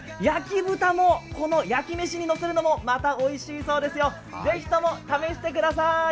焼き豚も、このやきめしにのせるのもまたおいしいそうですよ、ぜひとも試してみてください。